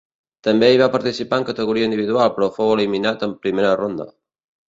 També hi va participar en categoria individual però fou eliminat en primera ronda.